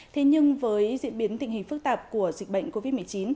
thế nhưng với diễn biến tình hình phức tạp của dịch bệnh covid một mươi chín